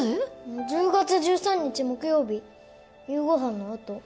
１０月１３日木曜日夕ご飯のあと。